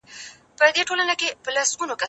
هغه وویل چې زه درس لولم!؟